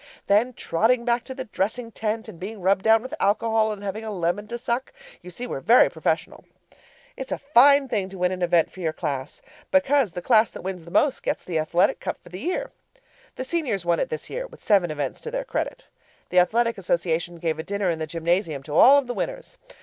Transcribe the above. Then trotting back to the dressing tent and being rubbed down with alcohol and having a lemon to suck. You see we're very professional. It's a fine thing to win an event for your class, because the class that wins the most gets the athletic cup for the year. The Seniors won it this year, with seven events to their credit. The athletic association gave a dinner in the gymnasium to all of the winners.